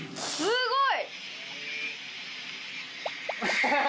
すごい！